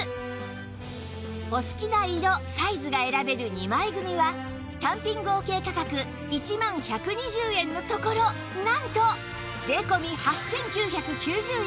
お好きな色サイズが選べる２枚組は単品合計価格１万１２０円のところなんと税込８９９０円！